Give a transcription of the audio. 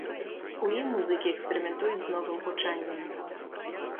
У ім музыкі эксперыментуюць з новым гучаннем.